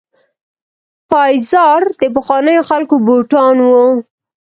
پایزار د پخوانیو خلکو بوټان وو.